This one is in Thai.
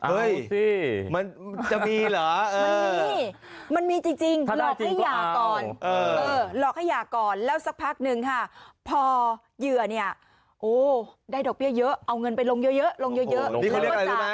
เอ้ยมันจะมีเหรอเออมันมีจริงถ้าได้จริงก็เอาลอกให้อยากก่อนแล้วสักพักนึงค่ะพอเหยื่อเนี่ยโอ้ได้ดอกเบี้ยเยอะเอาเงินไปลงเยอะลงเยอะ